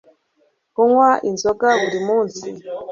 Kunywa inzoga buri munsi